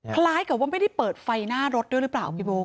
คล้ายกับไม่ได้เปิดไฟหน้ารถด้วยหรือเปล่า